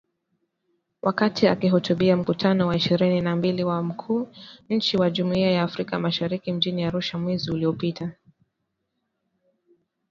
Wakati akihutubia Mkutano wa ishirini na mbili wa Wakuu wa Nchi wa Jumuiya ya Afrika Mashariki mjini Arusha mwezi uliopita